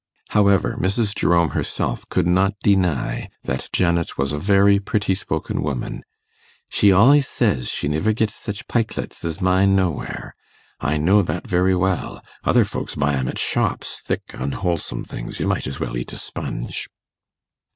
However, Mrs. Jerome herself could not deny that Janet was a very pretty spoken woman: 'She al'ys says, she niver gets sich pikelets as mine nowhere; I know that very well other folks buy 'em at shops thick, unwholesome things, you might as well eat a sponge.